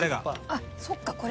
あっそっか